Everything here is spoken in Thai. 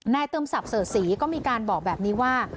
ในเติมสับเสริฐศรีก็มีการบอกแบบนี้ว่า